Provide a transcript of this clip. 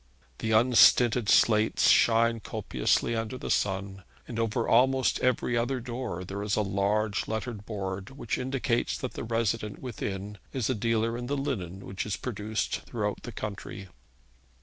The unstinted slates shine copiously under the sun, and over almost every other door there is a large lettered board which indicates that the resident within is a dealer in the linen which is produced throughout the country.